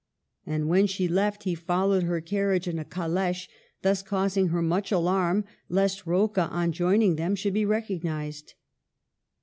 And when she left, he followed her carriage in a cal&che, thus causing her much alarm lest Rocca, on join ing them, should be recognized.